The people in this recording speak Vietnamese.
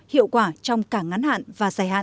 hiệu quả trong cả ngắn hạn và dài hạn